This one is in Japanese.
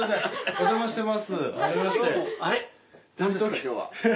今日は。